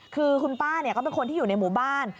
คือคุณป้าก็เป็นคนที่อยู่ในหมู่บ้าน